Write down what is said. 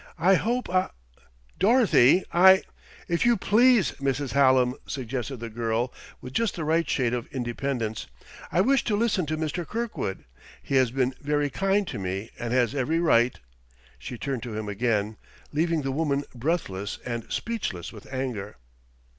"I hope " "Dorothy, I " "If you please, Mrs. Hallam," suggested the girl, with just the right shade of independence. "I wish to listen to Mr. Kirkwood. He has been very kind to me and has every right...." She turned to him again, leaving the woman breathless and speechless with anger.